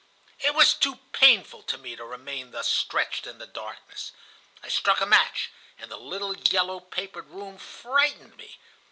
"It was too painful to me to remain thus stretched in the darkness. I struck a match, and the little yellow papered room frightened me.